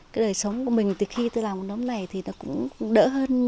cái đời sống của mình từ khi tôi làm một nấm này thì nó cũng đỡ hơn